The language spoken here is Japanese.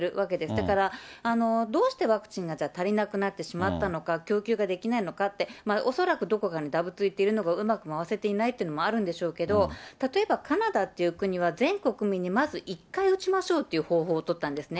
だから、どうしてワクチンがじゃあ足りなくなってしまったのか、供給ができないのかって、恐らくどこかにだぶついているのがうまく回せていないというのもあるんでしょうけれども、例えば、カナダっていう国は、全国民にまず１回打ちましょうという方法を取ったんですね。